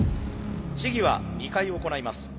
試技は２回行います。